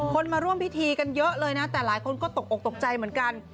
มาร่วมพิธีกันเยอะเลยนะแต่หลายคนก็ตกอกตกใจเหมือนกัน